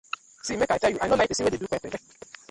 See mek I tell yu, I no like pesin wey de do kwe kwe kwe.